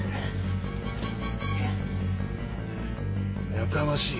やかましいわ。